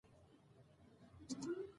خپلې هیلې ژوندۍ وساتئ.